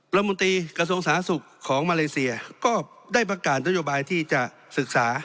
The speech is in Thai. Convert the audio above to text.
รัฐมนตรีกระทรวงสาธารณสุขของมาเลเซียก็ได้ประกาศนโยบายที่จะศึกษา